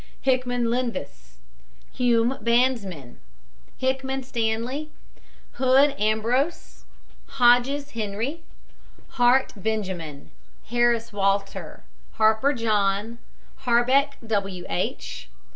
HICKMAN, LENVIS. HUME, bandsman. HICKMAN, STANLEY. HOOD, AMBROSE, HODGES, HENRY P. HART, BENJAMIN. HARRIS, WALTER. HARPER, JOHN. HARBECK, W. H.